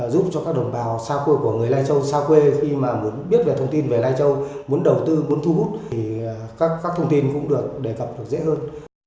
giúp cho các đồng bào xa quê của người lai châu xa quê khi mà muốn biết về thông tin về lai châu muốn đầu tư muốn thu hút thì các thông tin cũng được đề cập được dễ hơn